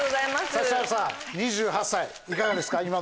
指原さん２８歳いかがですか？